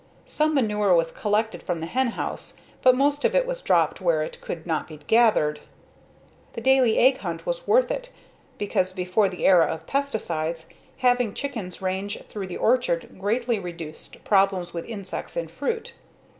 Some manure was collected from the hen house but most of it was dropped where it could not be gathered. The daily egg hunt was worth it because, before the era of pesticides, having chickens range through the orchard greatly reduced problems with insects in fruit.